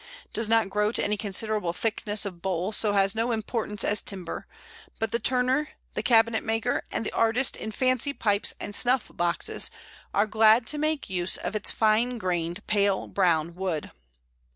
It does not grow to any considerable thickness of bole, so has no importance as timber, but the turner, the cabinet maker, and the artist in fancy pipes and snuff boxes, are glad to make use of its fine grained, pale brown wood.